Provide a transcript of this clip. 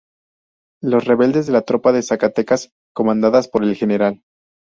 Los rebeldes de la tropa de Zacatecas comandadas por el Gral.